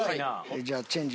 じゃあチェンジ。